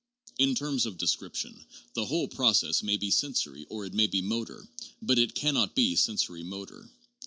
In terms of descrip tion, the whole process may be sensory or it may be motor, but it cannot be sensori motor.